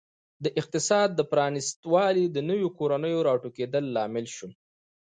د اقتصاد پرانیستوالی د نویو کورنیو راټوکېدل لامل شول.